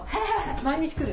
毎日来る？